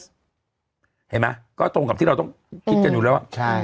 เห็นไหมก็ตรงกับที่เราต้องคิดกันอยู่แล้ว